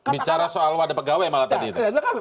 bicara soal wadah pegawai malah tadi itu